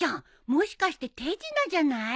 もしかして手品じゃない？